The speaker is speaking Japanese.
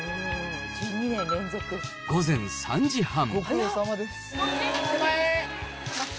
午前３時半。